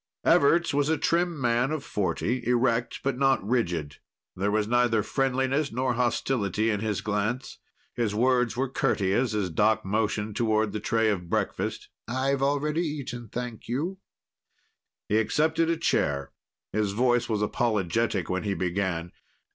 Everts was a trim man of forty, erect but not rigid. There was neither friendliness nor hostility in his glance. His words were courteous as Doc motioned toward the tray of breakfast. "I've already eaten, thank you." He accepted a chair. His voice was apologetic when he began.